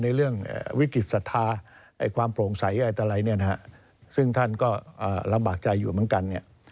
เรื่องวิกฤตศรัทธาความโปร่งใสอะไรเนี่ยนะฮะซึ่งท่านก็ลำบากใจอยู่เหมือนกันเนี่ย